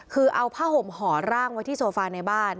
คือเอาผ้าห่มห่อร่างไว้ที่โซฟาในบ้าน